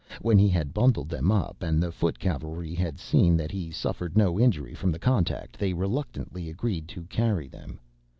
When he had bundled them up, and the foot cavalry had seen that he suffered no injury from the contact, they reluctantly agreed to carry them.